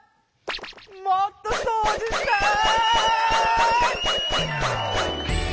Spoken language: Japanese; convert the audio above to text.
もっとそうじしたい！